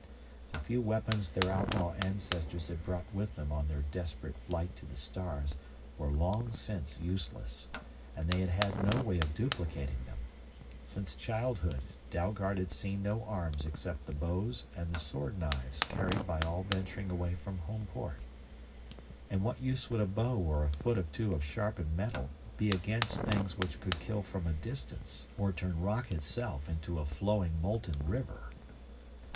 The few weapons their outlaw ancestors had brought with them on their desperate flight to the stars were long since useless, and they had had no way of duplicating them. Since childhood Dalgard had seen no arms except the bows and the sword knives carried by all venturing away from Homeport. And what use would a bow or a foot or two of sharpened metal be against things which could kill from a distance or turn rock itself into a flowing, molten river?